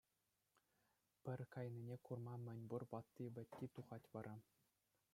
Пӑр кайнине курма мӗнпур ватти-вӗтти тухать вара.